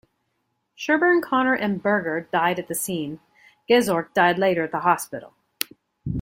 Sherburne, Connor, and Berger died at the scene; Gezork died later at the hospital.